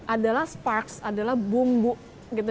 adalah sparks adalah bumbu gitu